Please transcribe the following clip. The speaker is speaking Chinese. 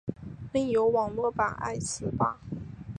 另有网络版爱词霸。